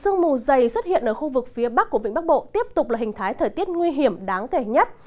sương mù dày xuất hiện ở khu vực phía bắc của vĩnh bắc bộ tiếp tục là hình thái thời tiết nguy hiểm đáng kể nhất